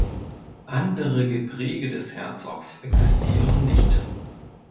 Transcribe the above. Andere Gepräge des Herzogs existieren nicht.